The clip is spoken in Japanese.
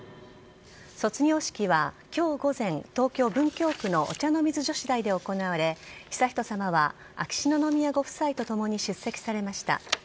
卒業式は今日午前東京・文京区のお茶の水女子大で行われ悠仁さまは秋篠宮ご夫妻とともに出席されました。